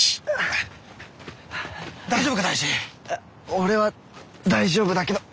俺は大丈夫だけど。